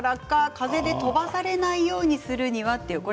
風で飛ばされないようにという質問